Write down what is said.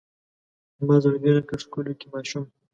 زما زړګی لکه ښکلوکی ماشوم